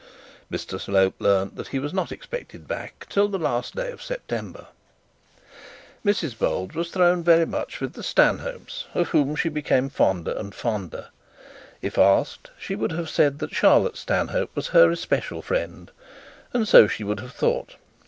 Mr Slope learnt that he was not expected back till the last day of September. Mrs Bold was thrown much with the Stanhopes, of whom she became fonder and fonder. If asked, she would have said that Charlotte Stanhope was her special friend, and so she would have thought.